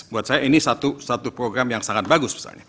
buat saya ini satu program yang sangat bagus misalnya